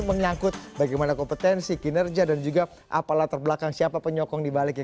menyangkut bagaimana kompetensi kinerja dan juga apalah terbelakang siapa penyokong dibaliknya